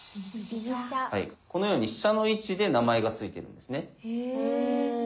このように飛車の位置で名前が付いているんですね。